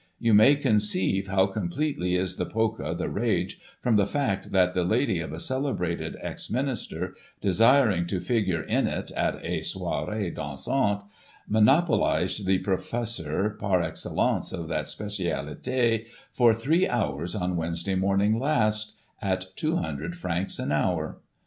You may conceive how completely is * the Polka * the rage, from the fact that the lady of a celebrated ex minister, desiring to figure in it at a soirk dansanfCy monopo lised the professor, par excellencCy of that specialitCy for three hours, on Wednesday morning Icist, at 200 francs the hour.'